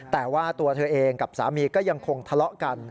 แต่ว่าตัวเธอเองกับสามีก็ยังคงทะเลาะกัน